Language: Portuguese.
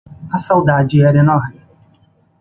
A saudade era enorme